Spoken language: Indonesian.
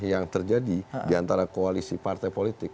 yang terjadi diantara koalisi partai politik